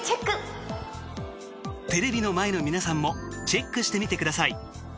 テレビの前の皆さんもチェックしてみてください。